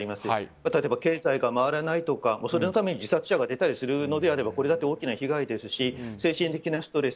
例えば経済が回らないとかそれのために自殺者が出るならそれも大きな被害ですし精神的なストレス。